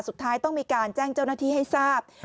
สุดท้ายต้องมีการแจ้งเจ้าหน้าที่ให้ทราบ